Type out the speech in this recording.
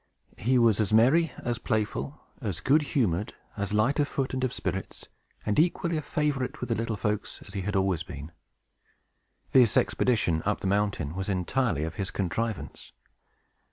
He was as merry, as playful, as good humored, as light of foot and of spirits, and equally a favorite with the little folks, as he had always been. This expedition up the mountain was entirely of his contrivance.